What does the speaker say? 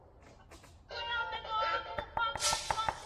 Viongozi mbali mbali vyama vya siasa na Serikali walihudhuria